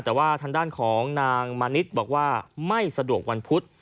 แต่ว่าทางด้านของนางมณิษฐ์บอกว่าไม่สะดวกวันพุธ